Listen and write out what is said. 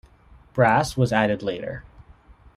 Brass was added later.